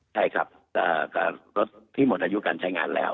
ใช่ครับรถที่หมดอายุการใช้งานแล้ว